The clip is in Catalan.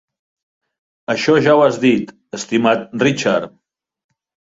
Això ja ho has dit, estimat Richard.